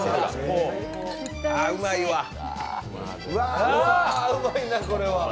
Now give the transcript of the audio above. うわ、うまいなこれは。